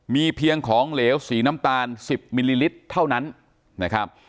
มีเพียงของเหลวสีน้ำตาล๑๐มิลลิลิตรเท่านั้นนะครับ